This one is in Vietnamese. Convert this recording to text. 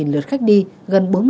ba mươi ba lượt khách đi gần bốn mươi